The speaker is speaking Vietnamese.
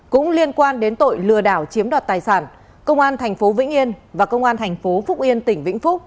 cũng liên quan đến tội lừa đảo chiếm đoạt tài sản công an tp vĩnh yên và công an tp phúc yên tỉnh vĩnh phúc